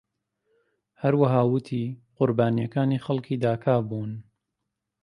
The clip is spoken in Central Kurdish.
هەروەها ووتی قوربانیەکانی خەڵکی داکا بوون.